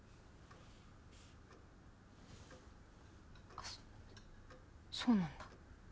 あっそうなんだ。